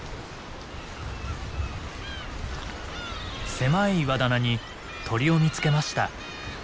狭い岩棚に鳥を見つけました。